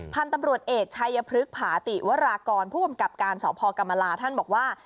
พันธุ์ตำรวจเอกชัยพฤกษาติวรากรผู้กำกับการสพกรรมลาท่านบอกว่า